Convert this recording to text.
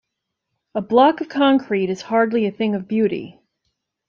A block of concrete is hardly a thing of beauty.